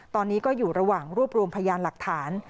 ตอนนี้ก็อยู่ระหว่างรวบรวมพยานหลักฐาน